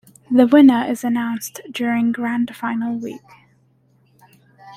The winner is announced during grand final week.